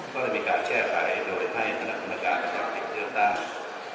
ก็ได้มีการแก้ไฟโดยให้ธนกรรมการจ่ายบัตรเลือกตั้ง